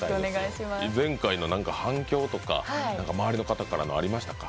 前回の反響とか周りの方から何かありましたか？